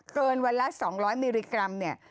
วันละ๒๐๐มิลลิกรัมเนี่ย